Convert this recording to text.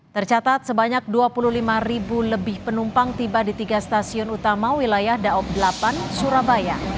tercatat sebanyak dua puluh lima ribu lebih penumpang tiba di tiga stasiun utama wilayah daob delapan surabaya